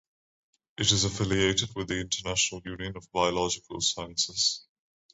It is affiliated with the International Union of Biological Sciences.